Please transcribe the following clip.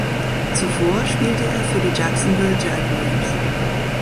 Zuvor spielte er für die Jacksonville Jaguars.